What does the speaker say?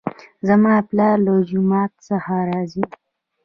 زما پلار له جومات څخه راځي